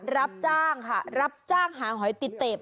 รับจ้างค่ะรับจ้างหาหอยติเต็บ